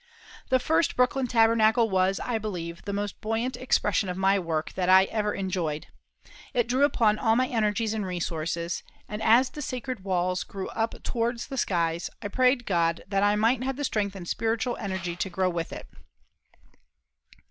The first Brooklyn Tabernacle was, I believe, the most buoyant expression of my work that I ever enjoyed. It drew upon all my energies and resources, and as the sacred walls grew up towards the skies, I prayed God that I might have the strength and spiritual energy to grow with it.